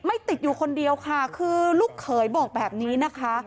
ติดอยู่คนเดียวค่ะคือลูกเขยบอกแบบนี้นะคะ